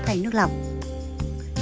thay nước lọc